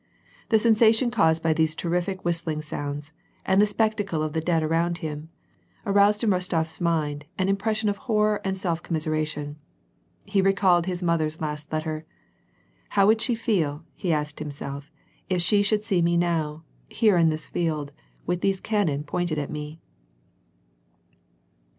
The sensation caused by these terrific whis tling sounds, and the spectacle of the dead around him, aroused in Kostof's mind, an impression of horror and self commiseration. He recalled his mother's last letter. " How would she feel " he asked himself, " if she should see me now, here in this field, with those cannon pointed at me